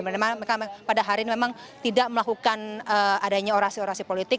mereka pada hari ini memang tidak melakukan adanya orasi orasi politik